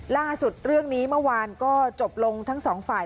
ล่าสุดเรื่องนี้เมื่อวานก็จบลงทั้งสองฝ่าย